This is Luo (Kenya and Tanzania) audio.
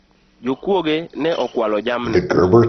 Jokuoge ne okualo jamni